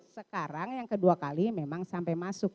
sekarang yang kedua kali memang sampai masuk